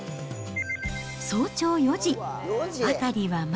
早朝４時。